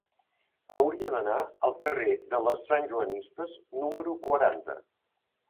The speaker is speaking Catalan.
Hauria d'anar al carrer de les Santjoanistes número quaranta.